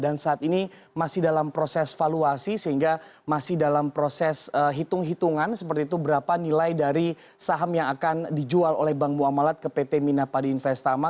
dan saat ini masih dalam proses valuasi sehingga masih dalam proses hitung hitungan seperti itu berapa nilai dari saham yang akan dijual oleh bank muamalat ke pt minapadi investama